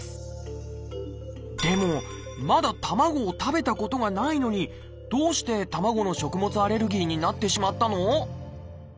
でもまだ卵を食べたことがないのにどうして卵の食物アレルギーになってしまったの？